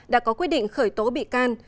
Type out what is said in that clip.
đã có quyết định khởi tố bị can